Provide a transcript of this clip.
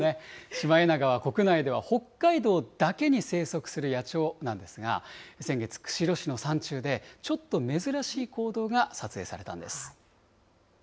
シマエナガは国内では北海道だけに生息する野鳥なんですが、先月、釧路市の山中で、ちょっと珍しい行動が撮影されたんです。